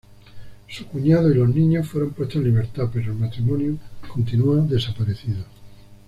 Su cuñado y los niños fueron puestos en libertad, pero el matrimonio continúa desaparecido.